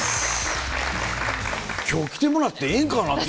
今日来てもらってええんかなって。